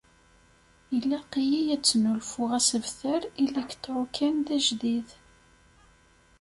Ilaq-iyi ad d-snulfuɣ asebter iliktrukan d ajdid.